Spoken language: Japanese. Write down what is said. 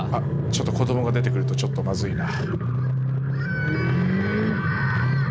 ちょっと子どもが出てくると、ちょっとまずいな。